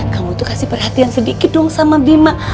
kamu tuh kasih perhatian sedikit dong sama bima